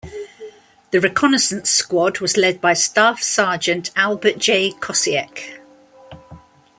The reconnaissance squad was led by Staff Sergeant Albert J. Kosiek.